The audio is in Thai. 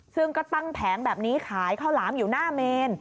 ซึ่งก็ตั้งแผงแบบนี้ขายข้าวหลามอยู่หน้าเมน